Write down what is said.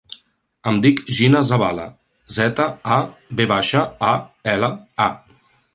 Em dic Gina Zavala: zeta, a, ve baixa, a, ela, a.